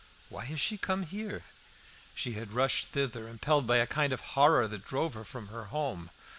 "Why has she come here?" She had rushed thither; impelled by a kind of horror that drove her from her home.